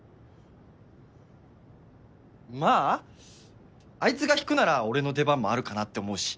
まああいつが引くなら俺の出番もあるかなって思うし。